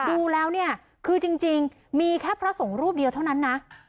ดูแล้วเนี่ยคือจริงมีแค่พระสงฆ์รูปเดียวเท่านั้นนะ